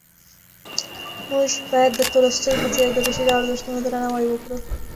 موږ باید د تولستوی په څېر د بشري ارزښتونو درناوی وکړو.